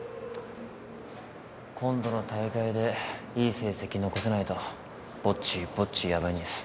今度の大会でいい成績残せないとぼちぼちヤバいんです。